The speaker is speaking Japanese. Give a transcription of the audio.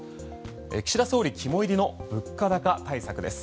岸田総理肝いりの物価高対策です。